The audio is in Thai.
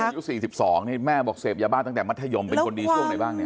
อายุ๔๒นี่แม่บอกเสพยาบ้าตั้งแต่มัธยมเป็นคนดีช่วงไหนบ้างเนี่ย